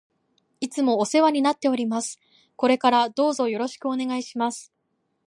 いつもお世話になっております。これからどうぞよろしくお願いします。